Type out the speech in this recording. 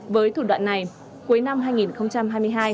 với thủ đoạn này cuối năm hai nghìn hai mươi hai